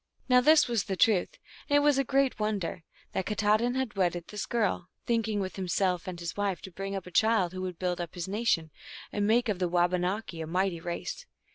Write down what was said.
Now this was the truth, and it was a great wonder, that Katahdin had wedded this girl, thinking with himself and his wife to bring up a child who should build up his nation, and make of the Wabauaki a mighty race.